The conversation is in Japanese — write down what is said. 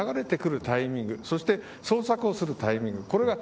流れてくるタイミング捜索をするタイミング